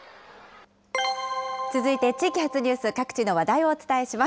続いて地域発ニュース、各地の話題をお伝えします。